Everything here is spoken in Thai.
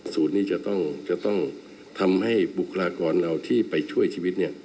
ศูนย์นี้จะต้องทำให้บุคลากรเราที่ไปช่วยชีวิต